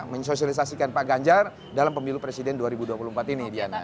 mensosialisasikan pak ganjar dalam pemilu presiden dua ribu dua puluh empat ini diana